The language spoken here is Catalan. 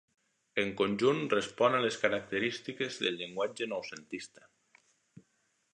En conjunt respon a les característiques del llenguatge noucentista.